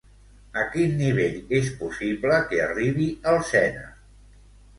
A quin nivell és possible que arribi el Sena?